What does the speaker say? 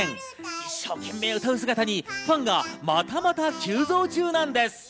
一生懸命歌う姿にファンがまたまた急増中なんです。